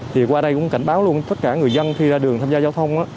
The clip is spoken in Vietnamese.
thì qua đây cũng cảnh báo luôn tất cả người dân khi ra đường tham gia giao thông á